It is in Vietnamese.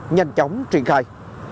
nhanh chóng triển khai